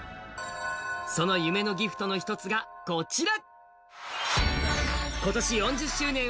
その夢のギフトの一つがこちら。